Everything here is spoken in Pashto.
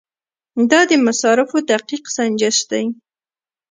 دا د مصارفو دقیق سنجش دی.